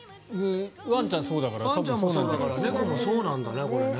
ワンちゃん、そうだから多分そうなんですかね。